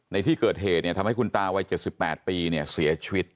ในที่เกิดเหตุทำให้คุณตาวัย๗๘ปีเสียชีวิต